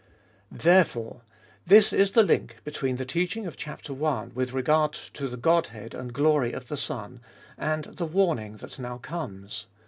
68 tTbc Iboltest of Hit Therefore, this is the link between the teaching of chap. i. with regard to the Godhead and glory of the Son, and the warning that now comes.